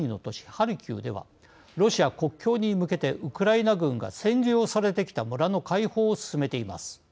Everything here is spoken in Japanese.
ハルキウではロシア国境に向けてウクライナ軍が占領されてきた村の解放を進めています。